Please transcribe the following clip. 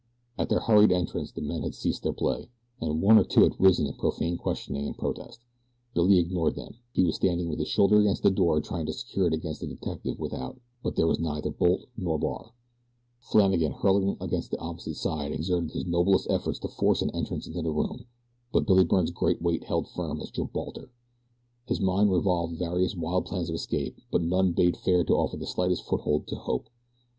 At their hurried entrance the men had ceased their play, and one or two had risen in profane questioning and protest. Billy ignored them. He was standing with his shoulder against the door trying to secure it against the detective without; but there was neither bolt nor bar. Flannagan hurtling against the opposite side exerted his noblest efforts to force an entrance to the room; but Billy Byrne's great weight held firm as Gibraltar. His mind revolved various wild plans of escape; but none bade fair to offer the slightest foothold to hope.